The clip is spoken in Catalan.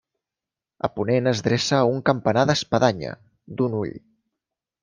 A ponent es dreça un campanar d'espadanya, d'un ull.